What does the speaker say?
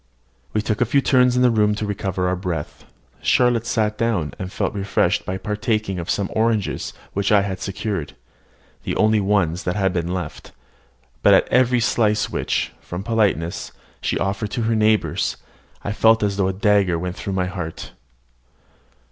We took a few turns in the room to recover our breath. Charlotte sat down, and felt refreshed by partaking of some oranges which I had had secured, the only ones that had been left; but at every slice which, from politeness, she offered to her neighbours, I felt as though a dagger went through my heart.